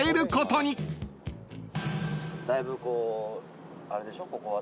だいぶこうあれでしょ。